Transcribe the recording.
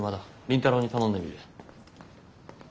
倫太郎に頼んでみる。